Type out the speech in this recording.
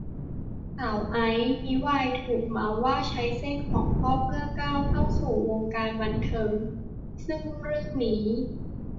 สาวไอซ์ก็มิวายถูกเมาท์ว่าใช้เส้นของพ่อเพื่อก้าวเข้าสู่วงการบันเทิง ซึ่งเรื่องนี้